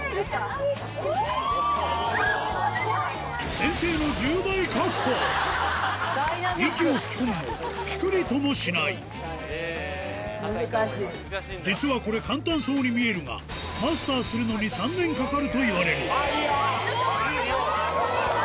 先生の息を吹き込むもピクリともしない実はこれ簡単そうに見えるがマスターするのに３年かかかるといわれるあぁいい！